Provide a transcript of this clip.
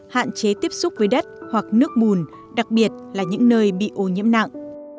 hạn chế tiếp xúc với đất hoặc nước mùn đặc biệt là những nơi bị ô nhiễm nặng